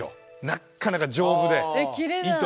なっかなか丈夫で糸。